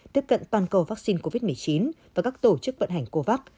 tiếp cận toàn cầu vaccine covid một mươi chín và các tổ chức vận hành covax